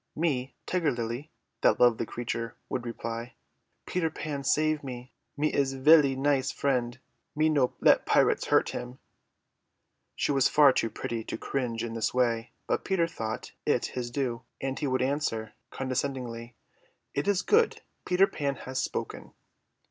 "Me Tiger Lily," that lovely creature would reply. "Peter Pan save me, me his velly nice friend. Me no let pirates hurt him." She was far too pretty to cringe in this way, but Peter thought it his due, and he would answer condescendingly, "It is good. Peter Pan has spoken."